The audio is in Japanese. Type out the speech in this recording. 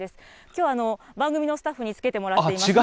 きょうは、番組のスタッフにつけてもらっています。